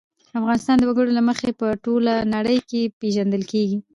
افغانستان د وګړي له مخې په ټوله نړۍ کې پېژندل کېږي.